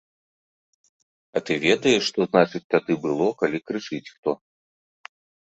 А ты ведаеш, што значыць тады было, калі крычыць хто!